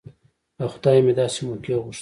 له خدايه مې داسې موقع غوښته.